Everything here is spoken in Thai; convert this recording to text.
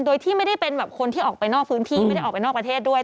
โดยที่ไม่ได้เป็นแบบคนที่ออกไปนอกพื้นที่ไม่ได้ออกไปนอกประเทศด้วย